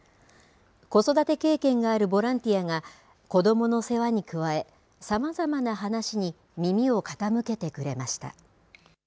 子育て経験があるボランティアが子どもの世話に加えさまざまな話に耳を傾けてくれました。